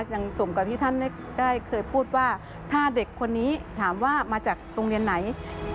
ยังสมกับที่ท่านได้เคยพูดว่าถ้าเด็กคนนี้ถามว่ามาจากโรงเรียนไหน